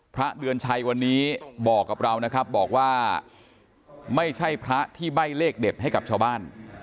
พระเดือนชัยวันนี้บอกกับเรานะครับบอกว่าไม่ใช่พระที่ใบ้เลขเด็ดให้กับชาวบ้าน